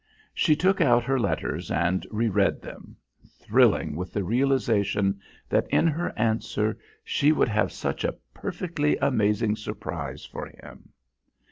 She took out her letters and re read them, thrilling with the realisation that in her answer she would have such a perfectly amazing surprise for him.